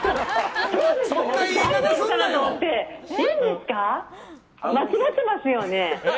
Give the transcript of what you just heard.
間違ってますよね。